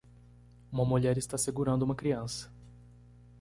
Uma mulher está segurando uma criança